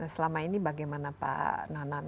selama ini bagaimana pak nanan